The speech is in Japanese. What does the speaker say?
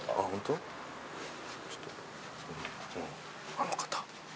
あの方？